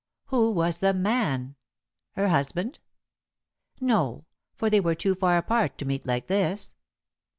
Who was the man? Her husband? No, for they were too far apart to meet like this.